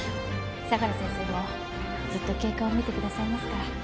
相良先生もずっと経過を見てくださいますから。